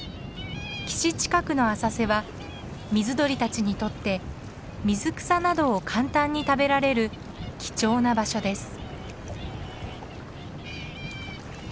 岸近くの浅瀬は水鳥たちにとって水草などを簡単に食べられる貴重な場所です。